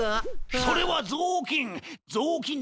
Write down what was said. それはぞうきん！